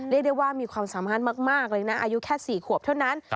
เรียกได้ว่ามีความสามารถมากเลยนะอายุแค่๔ขวบเท่านั้น